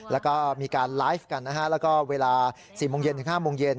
แล้วก็มีการไลฟ์กันนะฮะแล้วก็เวลา๔โมงเย็นถึง๕โมงเย็น